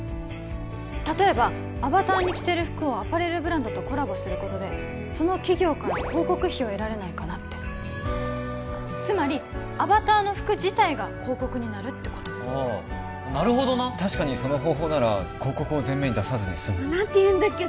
例えばアバターに着せる服をアパレルブランドとコラボすることでその企業から広告費を得られないかなってつまりアバターの服自体が広告になるってことああなるほどな確かにその方法なら広告を全面に出さずにすむ何て言うんだっけ？